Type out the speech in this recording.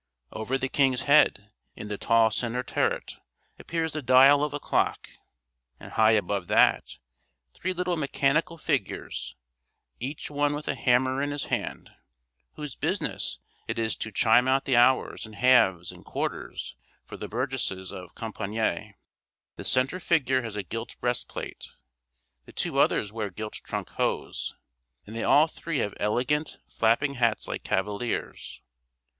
Over the king's head, in the tall centre turret, appears the dial of a clock; and high above that, three little mechanical figures, each one with a hammer in his hand, whose business it is to chime out the hours and halves and quarters for the burgesses of Compiègne. The centre figure has a gilt breast plate; the two others wear gilt trunk hose; and they all three have elegant, flapping hats like cavaliers.